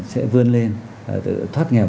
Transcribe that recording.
sẽ vươn lên thoát nghèo